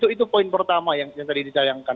itu poin pertama yang tadi ditayangkan